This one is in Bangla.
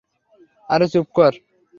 আরে চুপ কর।